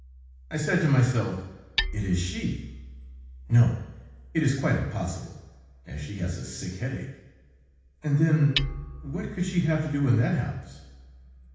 I said to myself: 'It it she; no, it is quite impossible, as she has a sick headache. And then, what could she have to do in that house?'